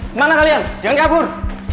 kemana kalian jangan kabur